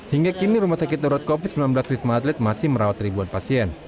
hingga kini rumah sakit darurat covid sembilan belas wisma atlet masih merawat ribuan pasien